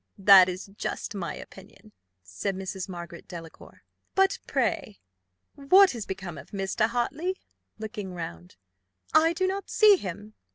'" "That is just my opinion," said Mrs. Margaret Delacour. "But pray, what is become of Mr. Hartley?" looking round: "I do not see him."